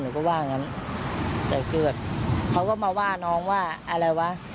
หนูก็ว่างั้นแต่คือเขาก็มาว่าน้องว่าอะไรวะ